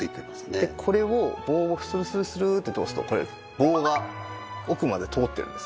これを棒をスルスルスルって通すと棒が奥まで通ってるんです。